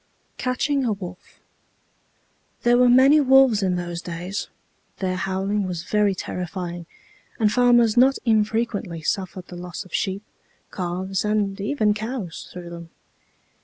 CATCHING A WOLF. There were many wolves in those days; their howling was very terrifying, and farmers not infrequently suffered the loss of sheep, calves, and even cows, through them.